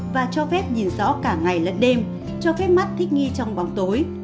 và cho phép nhìn rõ cả ngày lẫn đêm cho phép mắt thích nghi trong bóng tối